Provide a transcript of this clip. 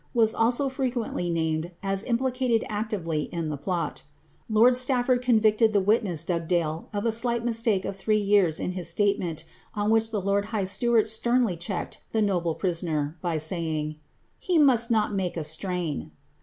319 BL8 also frequently named as implicated actively in the plot rd convicted the witness Bugdale of a slight mistake of three 3 statement, on which the lord high steward sternly checked [urisoner, by saying, ^he must not make a strain."